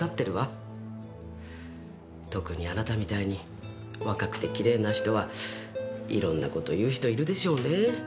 特にあなたみたいに若くてきれいな人は色んなこと言う人いるでしょうね